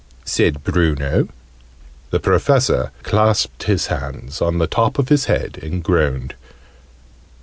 said Bruno. The Professor clasped his hands on the top of his head, and groaned.